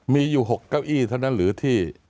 มีอยู่๖เก้าอี้เท่านั้นหรือที่